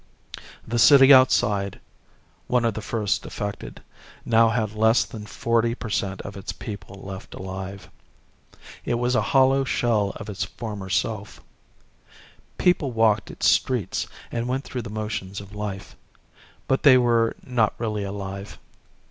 The city outside, one of the first affected, now had less than forty per cent of its people left alive. It was a hollow shell of its former self. People walked its streets and went through the motions of life. But they were not really alive.